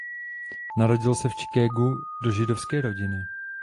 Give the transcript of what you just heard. Narodil se v Chicagu do židovské rodiny.